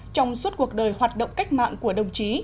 trong suốt cuộc đời hoạt động cách mạng của đồng chí